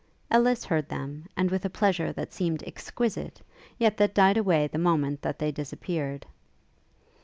Ellis heard them, and with a pleasure that seemed exquisite, yet that died away the moment that they disappeared.